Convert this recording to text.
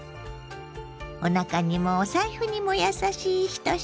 おなかにもお財布にも優しい１品。